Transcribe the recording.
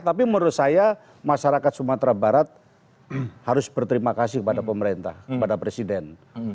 tapi menurut saya masyarakat sumatera barat harus berterima kasih kepada pemerintah kepada presiden